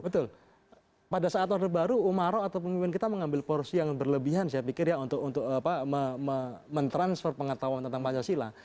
betul pada saat order baru umaro atau pemimpin kita mengambil porsi yang berlebihan saya pikir ya untuk mentransfer pengetahuan tentang pancasila